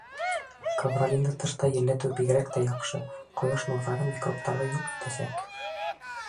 Ковролинды тышта елләтеү бигерәк тә яҡшы — ҡояш нурҙары микробтарҙы юҡ итәсәк.